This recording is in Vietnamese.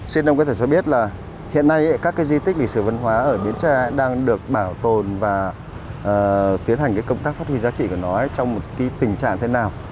xin ông có thể cho biết là hiện nay các di tích lịch sử văn hóa ở miến tre đang được bảo tồn và tiến hành công tác phát huy giá trị của nó trong một tình trạng thế nào